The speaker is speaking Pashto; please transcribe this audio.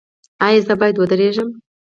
ایا زه باید ودریږم؟